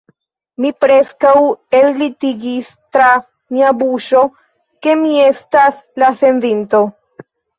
Mi preskaŭ elglitigis tra mia buŝo, ke mi estas la sendinto.